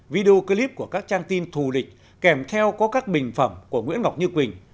video clip của các trang tin thù địch kèm theo có các bình phẩm của nguyễn ngọc như quỳnh